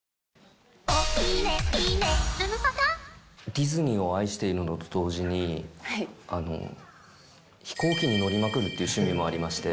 ディズニーを愛しているのと同時に、飛行機に乗りまくるっていう趣味もありまして。